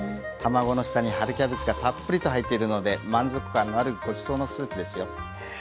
卵の下に春キャベツがたっぷりと入っているので満足感のあるごちそうのスープですよ。